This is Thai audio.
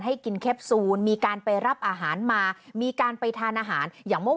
ให้กินแคปซูลมีการไปรับอาหารมามีการไปทานอาหารอย่างเมื่อ